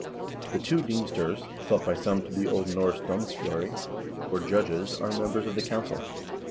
The two deemsters (thought by some to be O. N. domstjori), or judges, are members of the Council.